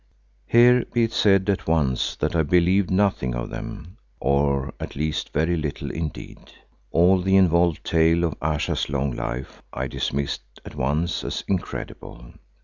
Here be it said at once that I believed nothing of them, or at least very little indeed. All the involved tale of Ayesha's long life I dismissed at once as incredible.